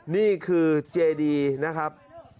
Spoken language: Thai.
นี่คือเจดีนะครับ